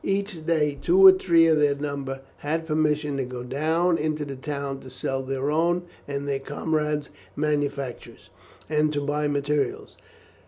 Each day, two or three of their number had permission to go down into the town to sell their own and their comrades' manufactures, and to buy materials.